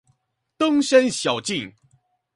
登山小徑